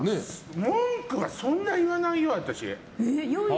文句はそんな言わないよ、私。